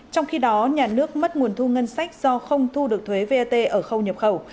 trong khi đó nhà nước mất nguồn thu ngân sách do không thu được thuế vat ở khâu nhập khẩu